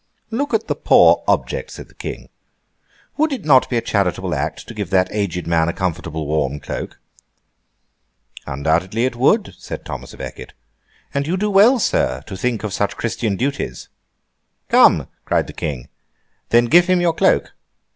'Look at the poor object!' said the King. 'Would it not be a charitable act to give that aged man a comfortable warm cloak?' 'Undoubtedly it would,' said Thomas à Becket, 'and you do well, Sir, to think of such Christian duties.' 'Come!' cried the King, 'then give him your cloak!